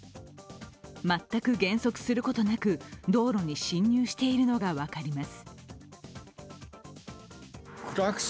全く減速することなく道路に進入しているのが分かります。